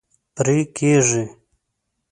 پرې کیږي